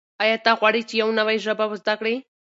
آیا ته غواړې چې یو نوی ژبه زده کړې؟